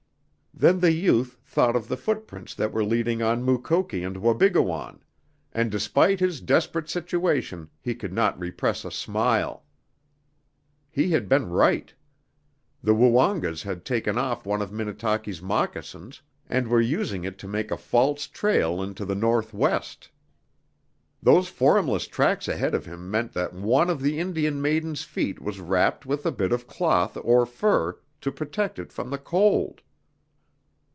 Then the youth thought of the footprints that were leading on Mukoki and Wabigoon, and despite his desperate situation he could not repress a smile. He had been right. The Woongas had taken off one of Minnetaki's moccasins and were using it to make a false trail into the northwest. Those formless tracks ahead of him meant that one of the Indian maiden's feet was wrapped with a bit of cloth or fur to protect it from the cold.